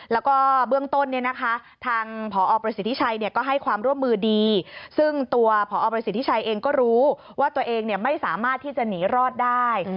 แล้วก็เบื้องต้นเนี่ยนะคะทางพอประสิทธิชัยก็ให้ความร่วมมือดีซึ่งตัวพอประสิทธิชัยเองก็รู้ว่าตัวเองไม่สามารถที่จะหนีรอดได้